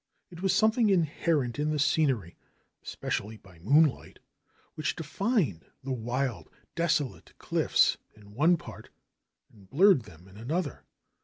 It was something inherent in the scenery, especially by moon light, which defined the wild, desolate cliffs in one part and blurred them in another.